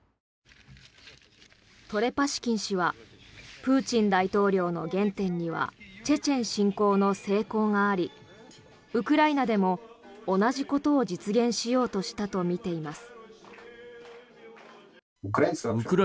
トレパシキン氏はプーチン大統領の原点にはチェチェン侵攻の成功がありウクライナでも同じことを実現しようとしたとみています。